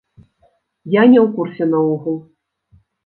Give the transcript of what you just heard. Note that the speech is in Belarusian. Я не ў курсе наогул.